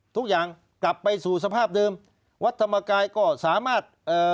ทุกอย่างกลับไปสู่สภาพเดิมวัดธรรมกายก็สามารถเอ่อ